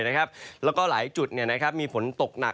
แล้วก็หลายจุดมีฝนตกหนัก